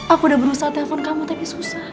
aku udah berusaha telepon kamu tapi susah